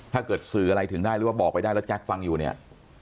ถ้าเกิดสื่ออะไรถึงได้หรือว่าบอกไปได้แล้วแจ๊คฟังอยู่เนี่ย